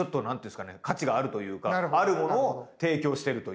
価値があるというかあるものを提供してるという。